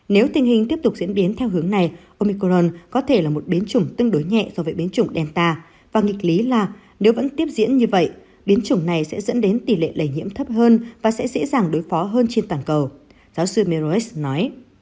nếu tình hình tiếp tục diễn biến theo hướng này omicron có thể là một biến chủng tương đối nhẹ so với biến chủng delta và nghịch lý là nếu vẫn tiếp diễn như vậy biến chủng này sẽ dẫn đến tỷ lệ lây nhiễm thấp hơn và sẽ dễ dàng đối phó hơn trên toàn cầu giáo sư merores nói